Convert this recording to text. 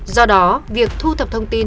do đó việc thu thập thông tin